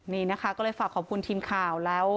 นี่นะคะก็เลยฝากขอบคุณทีมข่าวแล้ว